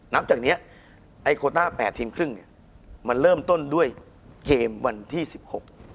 จากเนี้ยไอ้โคต้าแปดทีมครึ่งเนี้ยมันเริ่มต้นด้วยเกมวันที่สิบหก